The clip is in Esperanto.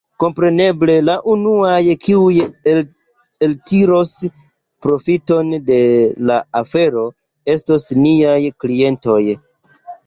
Kompreneble la unuaj, kiuj eltiros profiton de la afero, estos niaj klientoj.